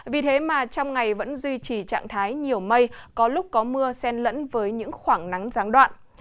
vì thế mà trong ngày vẫn duy trì trạng thái nhiều mây có lúc có mưa sen lẫn với những khoảng nắng gián đoạn